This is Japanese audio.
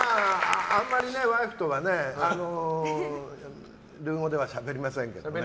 あんまりワイフとはねルー語ではしゃべりませんけどね。